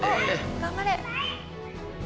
頑張れ！